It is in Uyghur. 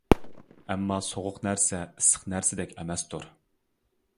ئەمما سوغۇق نەرسە ئىسسىق نەرسىدەك ئەمەستۇر.